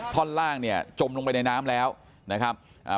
ท่อนล่างเนี่ยจมลงไปในน้ำแล้วนะครับอ่า